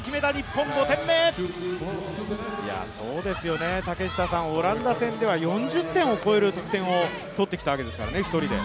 そうですよね、オランダ戦では４０点を超える得点を取ってきたわけですからね、１人で。